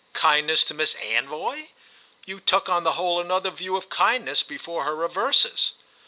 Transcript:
"Kindness to Miss Anvoy? You took, on the whole, another view of kindness before her reverses."